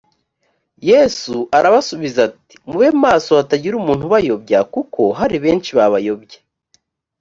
yesu arabasubiza ati “ mube maso hatagira umuntu ubayobya kuko hari benshi babayobya’’.